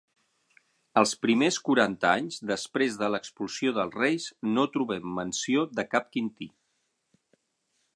Els primers quaranta anys després de l'expulsió dels reis no trobem menció de cap Quinti.